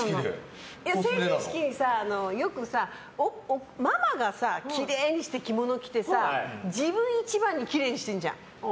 成人式によくママがきれいにして着物着て自分が一番できれいにしてるじゃん。